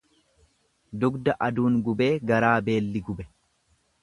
Dugda aduun gubee garaa beelli gube.